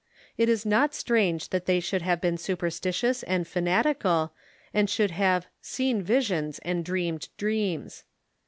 It is not strange that they should have been superstitious and fanatical, and should have "seen visions and dreamed dreams."